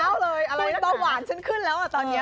อะไรดังทุกอย่างคุณบางหวานฉันขึ้นแล้วอ่ะตอนนี้